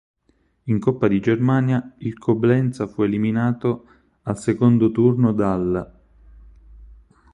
In Coppa di Germania il Coblenza fu eliminato al secondo turno dall'.